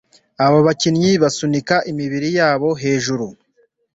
Aba bakinnyi basunika imibiri yabo hejuru